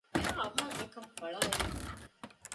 އެހާ އަވަހަށް އެކަން ފަޅާއެރީމަ